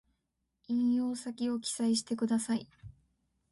引用先を記載してください